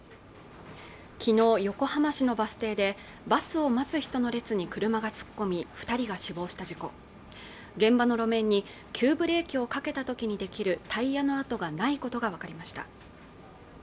昨日横浜市のバス停でバスを待つ人の列に車が突っ込み二人が死亡した事故現場の路面に急ブレーキをかけた時に出来るタイヤの跡がないことが分かりました